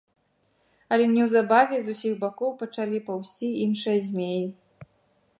Але неўзабаве з усіх бакоў пачалі паўзці іншыя змеі.